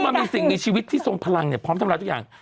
มันเป็นสิ่งมีชีวิตที่ทรงพลังพร้อมทำให้เราทุกอย่าง